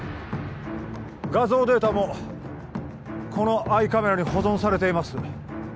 画像データもこのアイカメラに保存されています